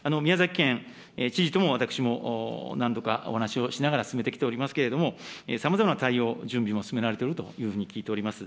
県知事とも私も何度かお話をしながら進めてきておりますけれども、さまざまな対応、準備も進められているというふうに聞いております。